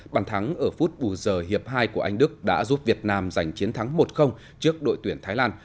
bàn thắng ở phút bù giờ hiệp hai của anh đức đã giúp việt nam giành chiến thắng một trước đội tuyển thái lan